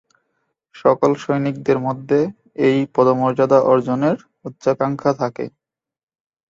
সকল সৈনিকদের মধ্যে এই পদমর্যাদা অর্জনের উচ্চাকাঙ্ক্ষা থাকে।